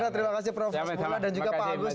terima kasih prof asmulla dan juga pak agus